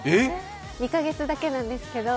２か月だけなんですけど。